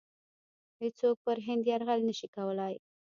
هیڅوک پر هند یرغل نه شي کولای.